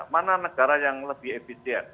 mana negara yang lebih efisien